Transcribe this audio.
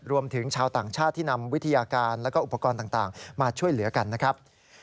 รวมถึงชาวต่างชาติที่นำวิทยาการแล้วก็อุปกรณ์ต่างมาช่วยเหลือกันนะครับ